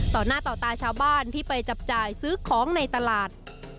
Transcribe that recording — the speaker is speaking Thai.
ต่อหน้าต่อตาชาวบ้านที่ไปจับจ่ายซื้อของในตลาด